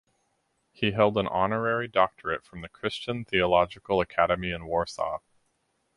He held an honorary doctorate from the Christian Theological Academy in Warsaw.